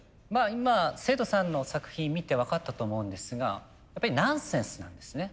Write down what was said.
今生徒さんの作品見て分かったと思うんですがやっぱりナンセンスなんですね。